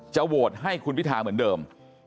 โหวตให้คุณพิธาเหมือนเดิม